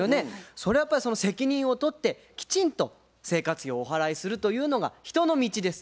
それはやっぱりその責任を取ってきちんと生活費をお払いするというのが人の道です。